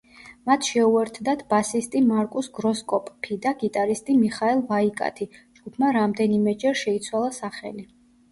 მათ შეუერთდათ ბასისტი მარკუს გროსკოპფი და გიტარისტი მიხაელ ვაიკათი, ჯგუფმა რამდენიმეჯერ შეიცვალა სახელი.